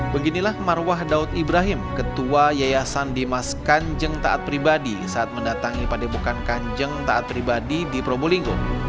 beginilah marwah daud ibrahim ketua yayasan dimas kanjeng taat pribadi saat mendatangi padepokan kanjeng taat pribadi di probolinggo